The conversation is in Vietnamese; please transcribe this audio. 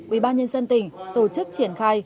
ubnd tỉnh tổ chức triển khai